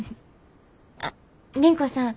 あっ倫子さん